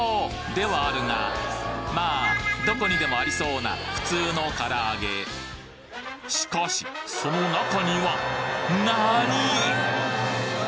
ではあるがまあどこにでもありそうなふつうのから揚げしかしその中にはなに！？